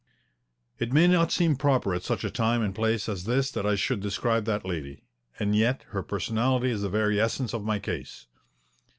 It may not seem proper at such a time and place as this that I should describe that lady. And yet her personality is the very essence of my case.